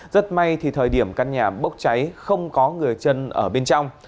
rất may thì thời điểm căn nhà bốc cháy không có người chân ở bên trong